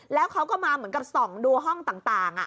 แล้วเขาก็มาเหมือนกับ๒ดวงห้องต่างอ่ะ